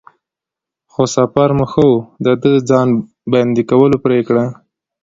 خو سفر مو ښه و، د د ځان بندی کولو پرېکړه.